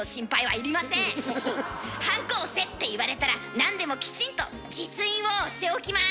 はんこ押せって言われたらなんでもきちんと実印を押しておきます。